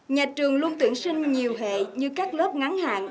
nhà trường luôn tuyển sinh nhiều hệ như các lớp ngắn hạn